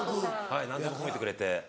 はい何でも褒めてくれて。